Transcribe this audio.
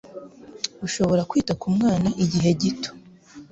Urashobora kwita ku mwana igihe gito?